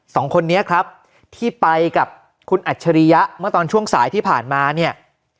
สองคนนี้ครับที่ไปกับคุณอัจฉริยะเมื่อตอนช่วงสายที่ผ่านมาเนี่ย